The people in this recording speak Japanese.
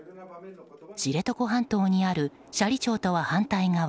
知床半島にある斜里町とは反対側